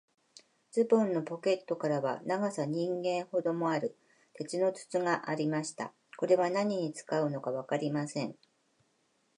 ズボンのポケットからは、長さ人間ほどもある、鉄の筒がありました。これは何に使うのかわかりません。